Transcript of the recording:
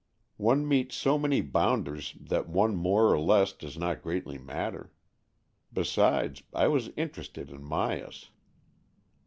One meets so many bounders that one more or less does not greatly matter. Besides, I was interested in Myas.